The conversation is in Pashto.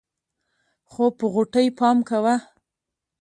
خو په غوټۍ پام کوه.